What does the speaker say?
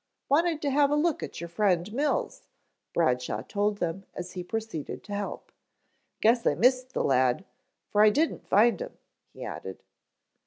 "Wanted to have a look at your friend Mills," Bradshaw told them as he proceeded to help. "Guess I missed the lad, for I didn't find him," he added.